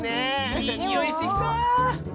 いいにおいしてきた。